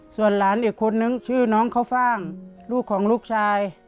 ส่วนหลานอีกคนนึงชื่อน้องข้าวฟ่างลูกของลูกชาย